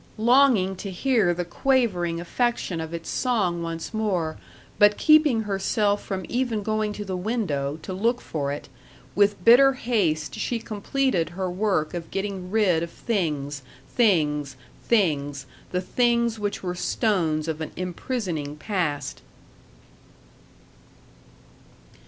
Longing to hear the quavering affection of its song once more, but keeping herself from even going to the window, to look for it, with bitter haste she completed her work of getting rid of things things things the things which were stones of an imprisoning past.